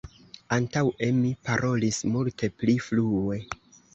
Antaŭe mi parolis multe pli flue.